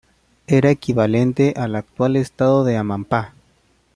Era equivalente al actual estado de Amapá.